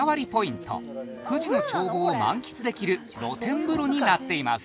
富士の眺望を満喫できる露天風呂になっています